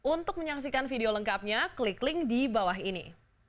untuk menyaksikan video lengkapnya klik link di bawah ini